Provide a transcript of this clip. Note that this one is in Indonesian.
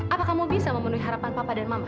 apa kamu bisa memenuhi harapan papa dan mama